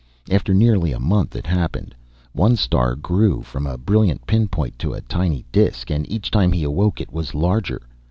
After nearly a month, it happened. One star grew from a brilliant pinpoint to a tiny disk, and each time he awoke it was larger.